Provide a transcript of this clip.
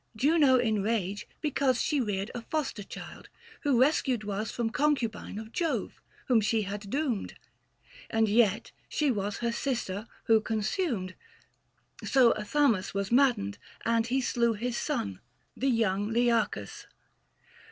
Juno in rage because She reared a foster child, who rescued was From concubine of Jove, whom she had doomed ; And yet she was her sister who consumed. So Athamas was maddened, and he slew 585 His son, the young Learchus.